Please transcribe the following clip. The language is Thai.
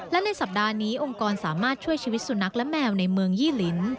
และในสัปดาห์นี้องค์กรสามารถช่วยชีวิตสุนัขและแมวในเมืองยี่ลิ้น